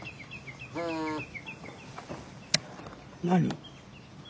何？